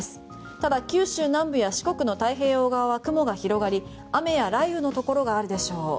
ただ、九州南部や四国の太平洋側は雲が広がり雨や雷雨のところがあるでしょう。